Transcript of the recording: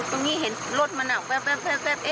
ตรงนี้เห็นรถมันแว๊บ